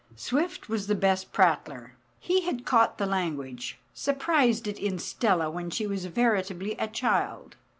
Swift was the best prattler. He had caught the language, surprised it in Stella when she was veritably a child.